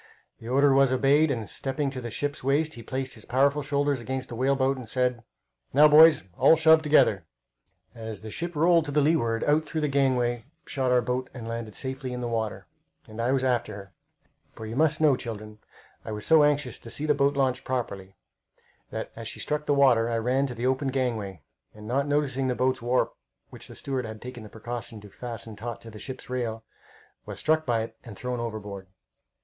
The order was obeyed, and stepping to the ship's waist, he placed his powerful shoulders against the whale boat, and said: "Now, boys, all shove together!" As the ship rolled to the leeward, out through the gangway shot our boat and landed safely in the water, and I after her; for you must know, children, I was so anxious to see the boat launched properly that as she struck the water I ran to the open gangway, and not noticing the boat's warp, which the steward had taken the precaution to fasten taut to the ship's rail, was struck by it and thrown overboard.